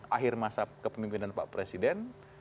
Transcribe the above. akhir masa kepemimpinan pak presiden